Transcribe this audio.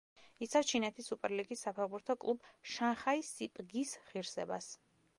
იცავს ჩინეთის სუპერლიგის საფეხბურთო კლუბ „შანხაი სიპგის“ ღირსებას.